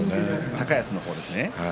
高安の方ですね。